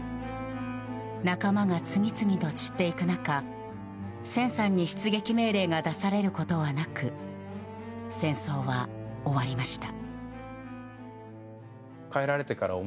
仲間が次々と散っていく中千さんに出撃命令が出されることはなく戦争は終わりました。